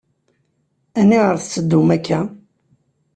Aniɣer tetteddum akk-a?